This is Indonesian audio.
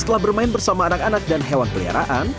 setelah bermain bersama anak anak dan hewan peliharaan